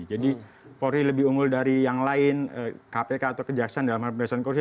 jadi polri lebih unggul dari yang lain kpk atau kejaksaan dalam hal pembahasan korupsi